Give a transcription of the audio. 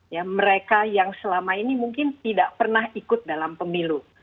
ya mereka yang selama ini mungkin tidak pernah ikut dalam pemilu